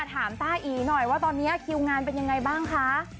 ต้าอีหน่อยว่าตอนนี้คิวงานเป็นยังไงบ้างคะ